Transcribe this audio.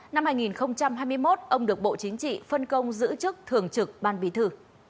năm hai nghìn hai mươi một ông được bộ chính trị phân công giữ chức thường trực ban bí thư